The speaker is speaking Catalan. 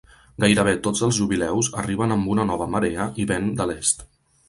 Gairebé tots els jubileus arriben amb una nova marea i vent de l'est.